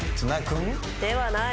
ではない。